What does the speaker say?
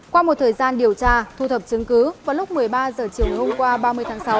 qua một thời gian điều tra thu thập chứng cứ vào lúc một mươi ba h chiều ngày hôm qua ba mươi tháng sáu